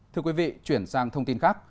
thưa quý vị chuyển sang thông tin khác